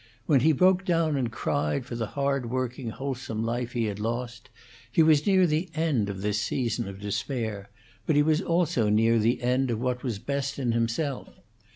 When he broke down and cried for the hard working, wholesome life he had lost, he was near the end of this season of despair, but he was also near the end of what was best in himself.